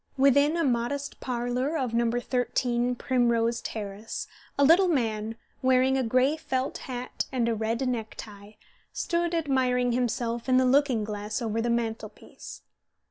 Within the modest parlour of No. 13 Primrose Terrace a little man, wearing a gray felt hat and a red neck tie, stood admiring himself in the looking glass over the mantelpiece.